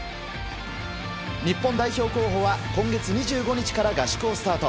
日本代表候補は今月２５日から合宿をスタート。